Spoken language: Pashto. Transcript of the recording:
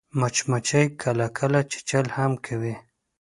مچمچۍ کله کله چیچل هم کوي